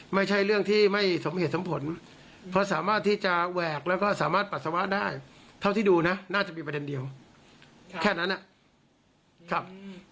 ไม่ใช่เรื่องที่ไม่สมเหตุสมผลเพราะสามารถที่จะแหวกแล้วก็สามารถปัสสาวะได้เท่าที่ดูนะน่าจะมีประเด็นเดียวแค่นั้นนะครับ